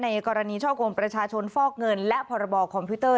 กรณีช่อกงประชาชนฟอกเงินและพรบคอมพิวเตอร์